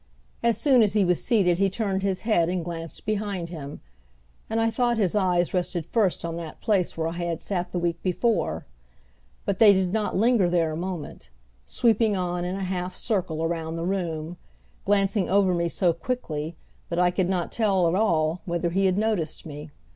As soon as he was seated he turned his head and glanced behind him, and I thought his eyes rested first on that place where I had sat the week before; but they did not linger there a moment, sweeping on in a half circle around the room, glancing over me so quickly that I could not tell at all whether he had noticed me.